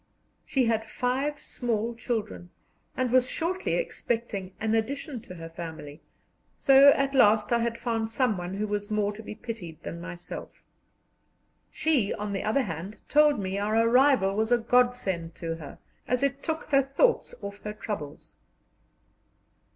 She had five small children, and was shortly expecting an addition to her family, so at last I had found someone who was more to be pitied than myself. She, on the other hand, told me our arrival was a godsend to her, as it took her thoughts off her troubles.